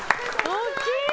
大きい！